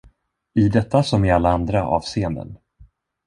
I detta som i alla andra avseenden.